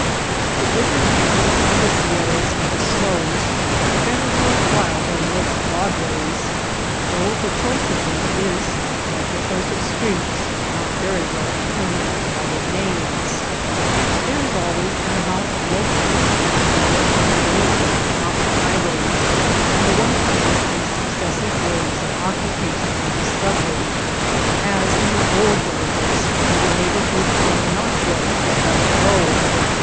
The river caiions of the Sierras of the Snows are better worth while than most Broadways, though the choice of them is like the choice of streets, not very well de termined by their names. There is always 184 THE STREETS OF THE MOUNTAINS an amount of local history to be read in the names of mountain highways where one touches the successive waves of occu pation or discovery, as in the old villages where the neighborhoods are not built but grow.